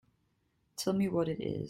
Tell me what it is.